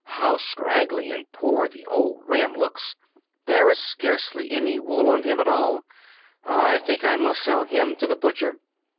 how scraggly and poor the old ram looks. There is scarcely any wool on him at all. I think I must sell him to the butcher!"